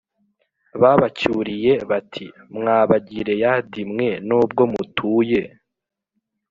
babacyuriye bati mwa Bagileyadi mwe nubwo mutuye